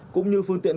cũng như phương tiện